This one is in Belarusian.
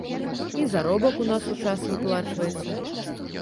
І заробак у нас ў час выплачваецца.